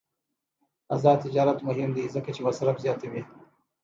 آزاد تجارت مهم دی ځکه چې مصرف زیاتوي.